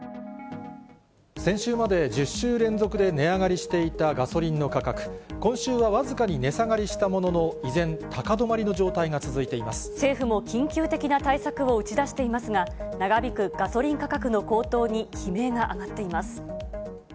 先週まで１０週連続で値上がりしていたガソリンの価格、今週は僅かに値下がりしたものの、依然、政府も緊急的な対策を打ち出していますが、長引くガソリン価格の高騰に悲鳴が上がっています。